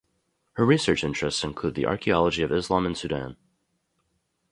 Her research interests include the archaeology of Islam in Sudan.